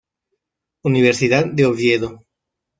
Universidad de Oviedo.